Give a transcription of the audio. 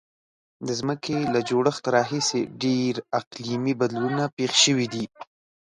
د ځمکې له جوړښت راهیسې ډیر اقلیمي بدلونونه پیښ شوي دي.